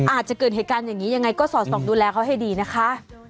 อาจจะเกิดเหตุการณ์อย่างนี้ยังไงก็สอดส่องดูแลเขาให้ดีนะคะ